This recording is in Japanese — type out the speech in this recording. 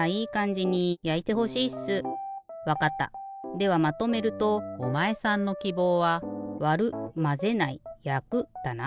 ではまとめるとおまえさんのきぼうはだな？